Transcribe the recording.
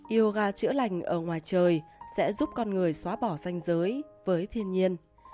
yoga chữa lành ở ngoài trời sẽ giúp con người xóa bỏ xanh giới với thiên nhiên